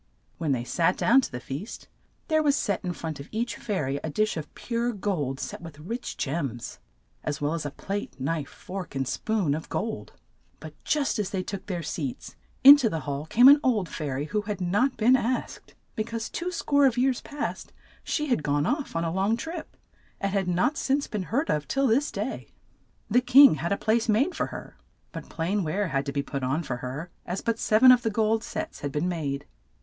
When they sat down to the feast there was set in front of each fai ry a dish of pure gold, set with rich gems, as well as a plate, knife, fork, and spoon of gold. But just as they took their seats, in to the hall came an old fai ry who had not been asked, be cause two score of years past she had gone off on a long trip, and had not since been heard of till this day. The king had a place made for her, but plain ware had to be put on for her, as but sev en of the gold sets had been made.